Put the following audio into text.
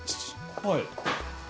はい。